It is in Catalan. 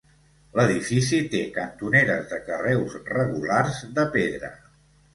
L'edifici té cantoneres de carreus regulars de pedra.